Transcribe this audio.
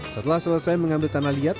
setelah selesai mengambil tanah liat